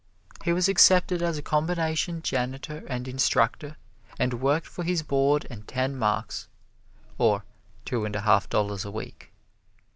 He was accepted as a combination janitor and instructor and worked for his board and ten marks, or two and a half dollars a week.